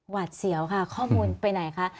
วัดเสียวค่ะข้อมูลไปไหนคะ